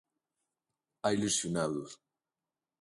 Hai lesionados.